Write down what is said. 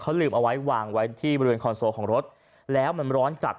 เขาลืมเอาไว้วางไว้ที่บริเวณคอนโซลของรถแล้วมันร้อนจัด